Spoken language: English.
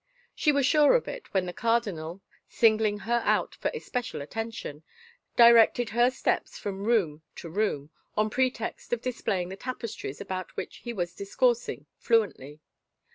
She was sure of it, when the cardinal, singling her out for especial attention, directed her steps from room to room, on pretext of displaying the tapestries about which he was discoursing fluently.